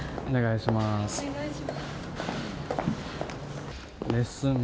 お願いします